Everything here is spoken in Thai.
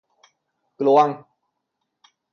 กลวง